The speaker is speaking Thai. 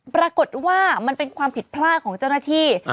ปรากฏว่ามันเป็นความผิดพลาดของเจ้าหน้าที่